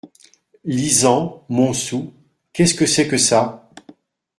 Lisant. "Monsou." Qu’est-ce que c’est que ça ?